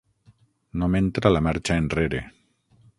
No m'entra la marxa enrere.